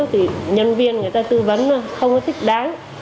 thì nhân viên người ta tư vấn không có thích đáng